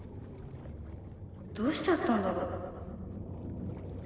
どうしちゃったんだろう？